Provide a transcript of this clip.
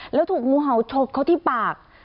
แล้วถูกงูเห่าฉบเขาที่ปาก